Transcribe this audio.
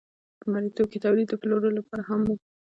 په مرئیتوب کې تولید د پلورلو لپاره هم و.